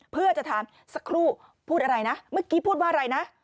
เพื่อจะถามสักครู่พูดอะไรนะเมื่อกี้พูดว่าอะไรนะ